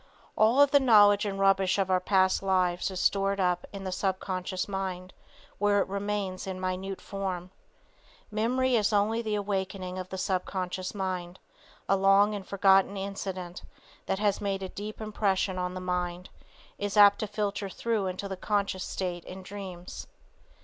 All the knowledge and rubbish of our past lives is stored up in the subconscious mind where it remains in minute form. Memory is only the awakening of the sub conscious mind, a long and forgotten incident, that has made a deep impression on the mind, is apt to filter through into the conscious state in dreams.